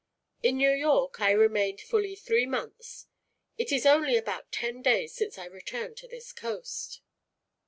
In New York I remained fully three months. It is only about ten days since I returned to this coast."